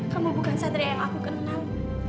kamu bukan satria yang aku kenal